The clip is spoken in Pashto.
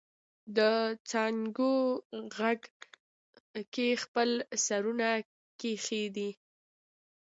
دڅانګو غیږ کې خپل سرونه کښیږدي